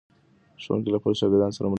ښوونکی له خپلو شاګردانو سره مرسته کوي.